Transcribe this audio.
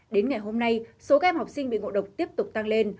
đến ngày hôm nay số các em học sinh bị ngộ độc tiếp tục tăng lên